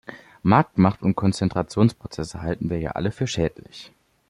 Marktmacht und Konzentrationsprozesse halten wir ja alle für schädlich.